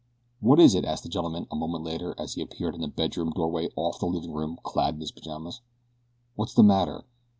"What is it?" asked the gentleman a moment later as he appeared in a bedroom doorway off the living room clad in his pajamas. "What's the matter?